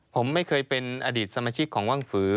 ผมไม่เคยเป็นอดีตสมาชิกของว่างฝือ